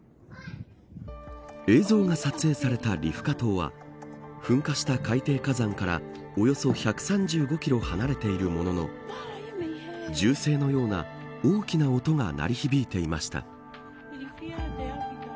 映像が撮影されたリフカ島は噴火した海底火山からおよそ１３５キロ離れているものの銃声のような大きな音が鳴り響いていました。